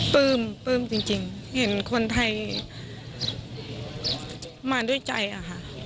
ปลื้มจริงเห็นคนไทยมาด้วยใจอะค่ะ